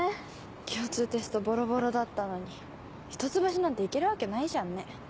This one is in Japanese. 共通テストボロボロだったのに一橋なんて行けるわけないじゃんね。